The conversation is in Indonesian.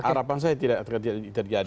harapan saya tidak terjadi